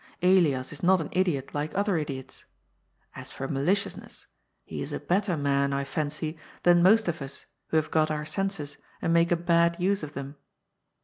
Elias is not an idiot like other idiots. As for maliciousness, he is a better man, I fancy, than most of us who have got our senses and make a bad use of them.